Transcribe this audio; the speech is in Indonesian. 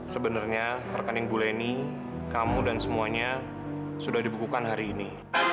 sebenarnya rekening buleni kamu dan semuanya sudah dibekukan hari ini